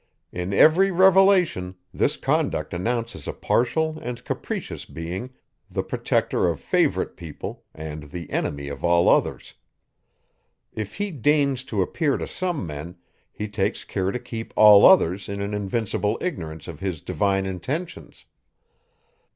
In every revelation, this conduct announces a partial and capricious being, the protector of favourite people, and the enemy of all others. If he deigns to appear to some men, he takes care to keep all others in an invincible ignorance of his divine intentions.